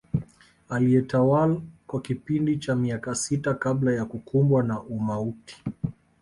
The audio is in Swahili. Aliyetawala kwa kipindi cha miaka sita kabla ya kukumbwa na umauti